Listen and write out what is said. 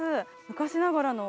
昔ながらの。